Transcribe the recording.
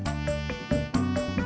kalau saya tau